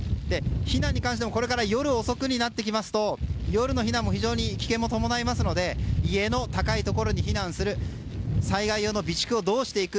避難に関してもこれから夜遅くになってきますと夜の避難も非常に危険が伴いますので家の高いところに避難する災害用の備蓄をどうしていく。